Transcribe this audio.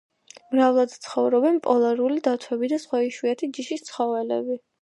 მრავლად ცხოვრობენ პოლარული დათვები და სხვა იშვიათი ჯიშის ცხოველები.